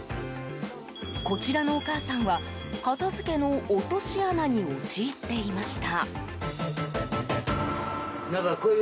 こちらのお母さんは片付けの落とし穴に陥っていました。